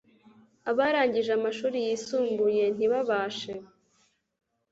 Abarangije amashuri yisumbuye ntibabashe